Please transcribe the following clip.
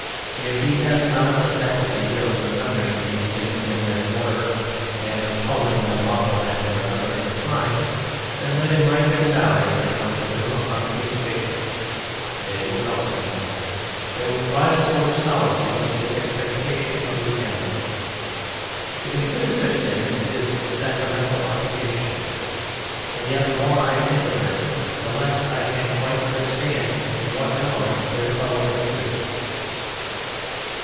If he has not the faculty of remembering these things in their order and of calling them up one after another in his mind, then let him write them down as they come to him upon a piece of paper. They will comfort him; they will prove a sort of solace against the expectation of the end. To consider such things is a sacramental occupation. And yet the more I think of them the less I can quite understand in what elements their power consists.